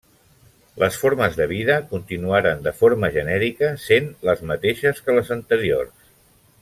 Les formes de vida continuaren de forma genèrica sent les mateixes que les anteriors.